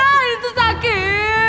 aaaaah itu sakit